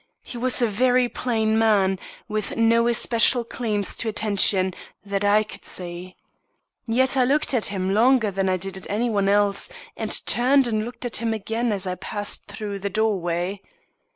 He was a very plain man with no especial claims to attention, that I could see, yet I looked at him longer than I did at any one else, and turned and looked at him again as I passed through the doorway.